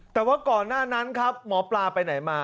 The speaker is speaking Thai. แต่ว่าก่อนหน้านั้นครับหมอปลาไปไหนมา